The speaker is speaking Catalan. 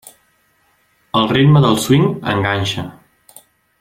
El ritme del swing enganxa.